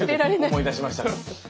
思い出しましたか？